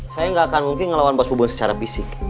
saya gak akan mungkin ngelawan bos bubun secara fisik